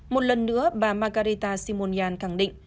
một lần nữa bà magarita zyryk khẳng định